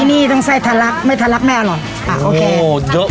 ทีนี้ต้องไส้ถลักไม่ถลักแน่หรออ๋อเยอะ